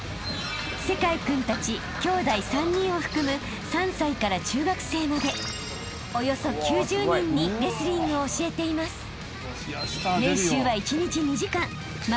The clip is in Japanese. ［聖魁君たち兄弟３人を含む３歳から中学生までおよそ９０人にレスリングを教えています］